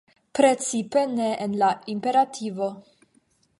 Precipe ne en la imperativo.